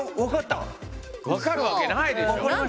分かるわけないでしょ？